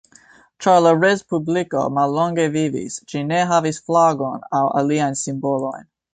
Ĉar la respubliko mallonge vivis, ĝi ne havis flagon aŭ aliajn simbolojn.